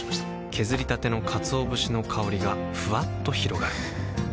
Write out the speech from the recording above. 削りたてのかつお節の香りがふわっと広がるはぁ。